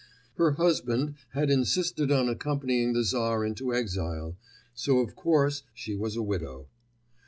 Her husband had insisted on accompanying the Tsar into exile, so of course she was a widow.